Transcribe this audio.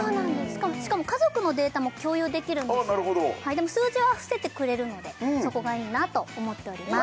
しかも家族のデータも共有できるんですでも数字は伏せてくれるのでそこがいいなと思っております